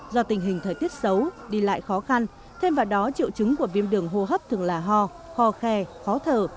do tình hình thời tiết xấu đi lại khó khăn thêm vào đó triệu chứng của viêm đường hô hấp thường là ho ho khe khó thở